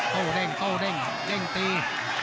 โต้เด้งโต้เด้งเด้งตี